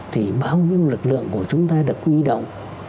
thì bao nhiêu lực lượng của chúng ta được huy động